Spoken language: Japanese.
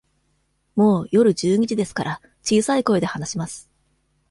もう夜十二時ですから、小さい声で話します。